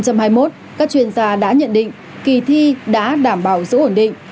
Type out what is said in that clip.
các chuyên gia đã nhận định kỳ thi đã đảm bảo giữ ổn định